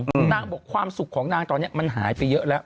นางบอกความสุขของนางตอนนี้มันหายไปเยอะแล้ว